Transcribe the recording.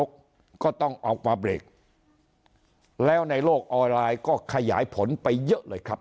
ก็ต้องออกมาเบรกแล้วในโลกออนไลน์ก็ขยายผลไปเยอะเลยครับ